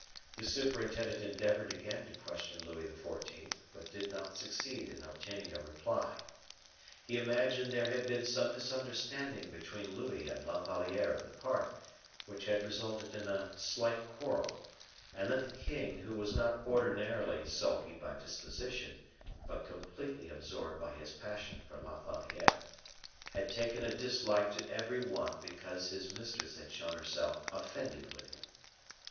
The superintendent endeavored again to question Louis XIV., but did not succeed in obtaining a reply. He imagined there had been some misunderstanding between Louis and La Valliere in the park, which had resulted in a slight quarrel; and that the king, who was not ordinarily sulky by disposition, but completely absorbed by his passion for La Valliere, had taken a dislike to every one because his mistress had shown herself offended with him.